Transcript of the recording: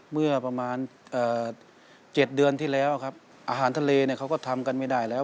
เมื่อประมาณ๗เดือนที่แล้วครับอาหารทะเลเนี่ยเขาก็ทำกันไม่ได้แล้ว